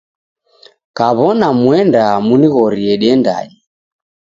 Kaw'ona muendaa munighorie diendanye.